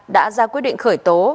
đã ra quyết định khởi tố